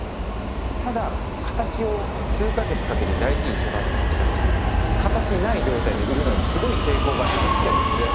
ただ形を数か月かけて大事に育ててきたのに形ない状態で売るのにすごい抵抗があったんです。